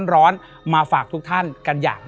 และยินดีต้อนรับทุกท่านเข้าสู่เดือนพฤษภาคมครับ